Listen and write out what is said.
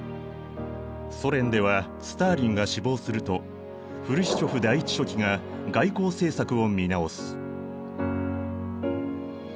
ソ連ではスターリンが死亡するとフルシチョフ第一書記が外交政策を見直す。